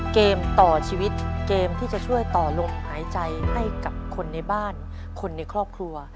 เกมต่อชีวิตเกมที่จะช่วยต่อลมหายใจให้กับคนในบ้านคนในครอบครัว